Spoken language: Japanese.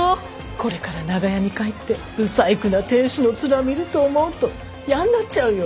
これから長屋に帰ってブサイクな亭主のツラ見ると思うといやんなっちゃうよ。